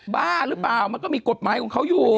บ้าหรือเปล่ามันก็มีกฎหมายของเขาอยู่